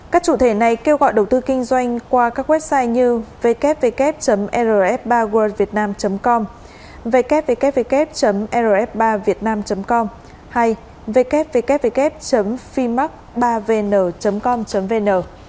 các chủ thể này kêu gọi đầu tư kinh doanh qua các website như www rf ba worldvietnam com www rf ba vietnam com hay www fimac ba vn com vn